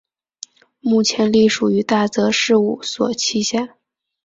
目前隶属于大泽事务所旗下。